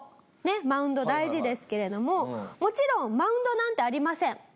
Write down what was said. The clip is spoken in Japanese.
マウンド大事ですけれどももちろんマウンドなんてありません。